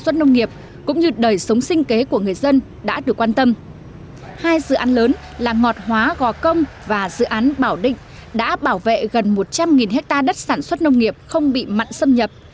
tỉnh tiền giang là ngọt hóa gò công và dự án bảo định đã bảo vệ gần một trăm linh hectare đất sản xuất nông nghiệp không bị mặn xâm nhập